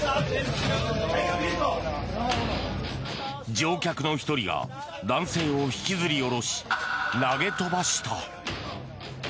乗客の１人が男性を引きずり下ろし投げ飛ばした。